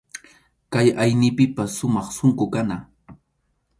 Kay aynipipas sumaq sunqu kana.